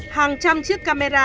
hàng trăm chiếc camera